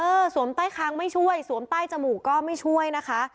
สวมใต้ค้างไม่ช่วยสวมใต้จมูกก็ไม่ช่วยนะคะ